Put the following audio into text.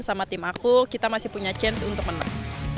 sama tim aku kita masih punya chance untuk menang